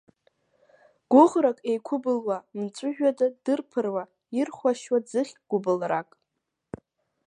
Гәыӷрак еиқәыбылуа, мҵәыжәҩада дырԥыруа, ирхәашьуа ӡыхьк, гәыбылрак.